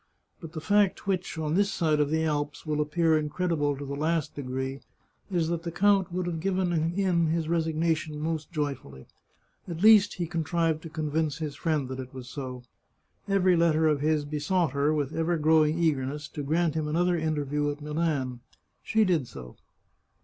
But the fact which, on this side of the Alps, will appear incredible to the last degree, is that the count would have given in his resig nation most joyfully. At least he contrived to convince his friend that so it was. Every letter of his besought her, with ever growing eagerness, to grant him another interview at Milan. She did so.